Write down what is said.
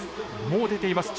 もう出ています。